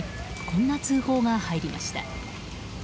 こんな通報が入りました。